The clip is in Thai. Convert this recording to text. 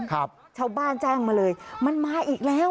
ครับเช้าบ้านแจ้งมันมาเลย